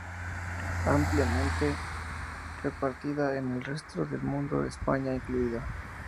Ampliamente repartida en el resto del mundo, España incluida.